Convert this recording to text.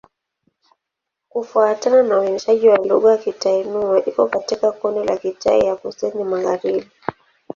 Kufuatana na uainishaji wa lugha, Kitai-Nüa iko katika kundi la Kitai ya Kusini-Magharibi.